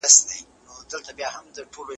لوستې نجونې د ټولنې باورمنې اړيکې جوړوي.